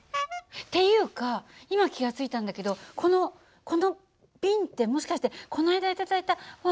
っていうか今気が付いたんだけどこのこの瓶ってもしかしてこの間頂いたワインの瓶なんじゃないの？